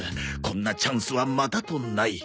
こんなチャンスはまたとない。